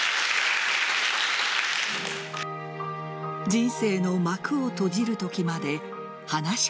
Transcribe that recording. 人生の幕を閉じる時まではなし